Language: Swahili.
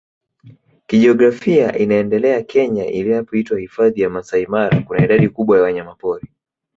kijiografia inaendele Kenya inapoitwa Hifadhi ya Masai Mara Kuna idadi kubwa ya wanyamapori